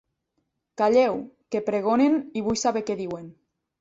Calleu, que pregonen i vull saber què diuen.